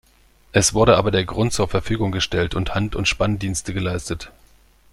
Es wurde aber der Grund zur Verfügung gestellt und Hand- und Spanndienste geleistet.